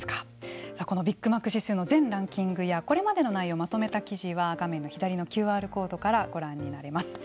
さあこのビッグマック指数の全ランキングやこれまでの内容をまとめた記事は画面の左のＱＲコードからご覧になれます。